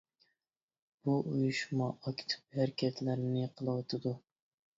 بۇ ئۇيۇشما ئاكتىپ ھەرىكەتلەرنى قىلىۋاتىدۇ.